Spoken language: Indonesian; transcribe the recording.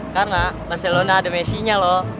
karena barcelona ada messi nya loh